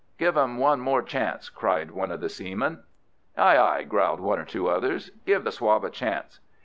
"Give him one more chance!" cried one of the seamen. "Aye, aye," growled one or two others. "Give the swab a chance!"